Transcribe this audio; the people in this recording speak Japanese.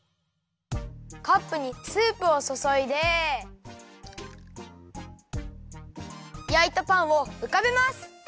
カップにスープをそそいでやいたパンをうかべます。